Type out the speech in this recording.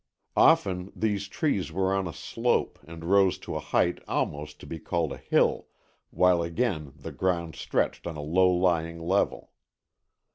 Often these trees were on a slope and rose to a height almost to be called a hill, while again the ground stretched on a low lying level.